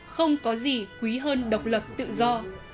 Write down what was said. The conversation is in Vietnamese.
không có gì quý hơn độc lập tự do